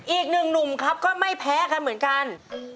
อีกหนึ่งหนุ่มครับก็ไม่แพ้กันเหมือนกัน